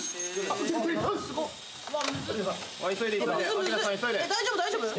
大丈夫大丈夫？